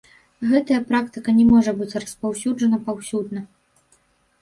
Гэтая практыка не можа быць распаўсюджаная паўсюдна.